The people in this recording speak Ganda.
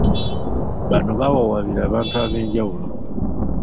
Bano baawaabira abantu ab'enjawulo